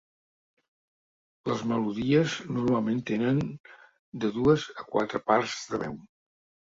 Les melodies normalment tenen de dues a quatre parts de veu.